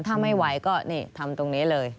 ถ้าไม่ไหวก็นี่ทำตรงนี้เลย